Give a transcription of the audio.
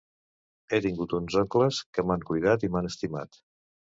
He tingut uns oncles que m'han cuidat i m'han estimat.